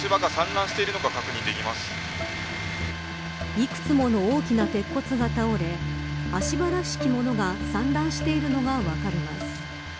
いくつもの大きな鉄骨が倒れ足場らしきものが散乱しているのが分かります。